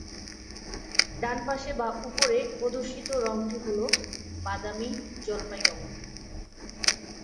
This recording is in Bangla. ডানপাশে বা উপরে প্রদর্শিত রঙটি হলো বাদামি জলপাই রঙ।